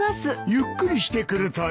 ゆっくりしてくるといい。